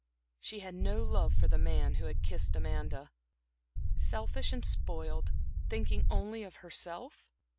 She had no love for the man who had kissed Amanda.... "Selfish and spoiled thinking only of herself?"